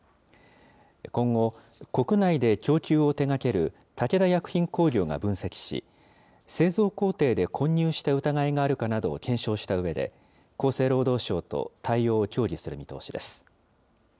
今後、国内で供給を手がける武田薬品工業が分析し、製造工程で混入した疑いがあるかなどを検証したうえで、厚生労働省と対応を協議する見通しです。